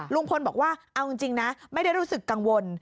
ลุงพลบอกว่าเอาจริงนะไม่ได้รู้สึกกังวล